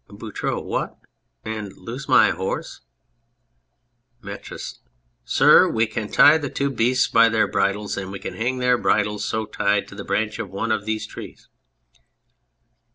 BOUTROUX. What ! and lose my horse ? METRIS. Sir, we can tie the two beasts by their bridles, and we can hang their bridles so tied to the branch of one of these trees.